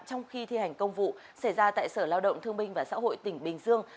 trong khi thi hành công vụ xảy ra tại sở lao động thương minh và xã hội tỉnh bình dương